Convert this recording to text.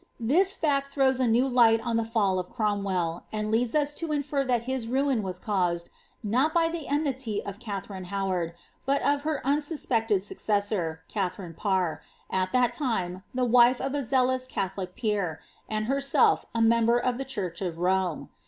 This fact throws a new light on the fall of Crom well, and leads us to infer that his ruin was caused, not bv the enmitv of Katharine Howard, but of her unsuspected successor, Katharine Parr, at that time the wife of a zealous catholic j>eer, and herself a member of tne church of Rome.